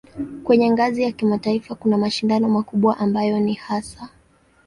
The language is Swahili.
Kwenye ngazi ya kimataifa kuna mashindano makubwa ambayo ni hasa